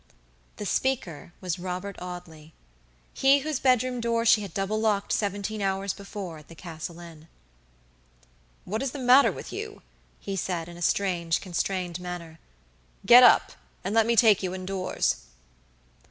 The speaker was Robert Audley. He whose bedroom door she had double locked seventeen hours before at the Castle Inn. "What is the matter with you?" he said, in a strange, constrained manner. "Get up, and let me take you indoors."